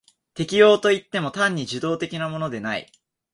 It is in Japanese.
適応といっても単に受動的なものでない。